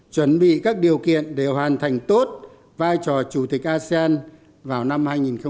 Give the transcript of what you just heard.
chuẩn bị các điều kiện để hoàn thành tốt vai trò chủ tịch asean vào năm hai nghìn hai mươi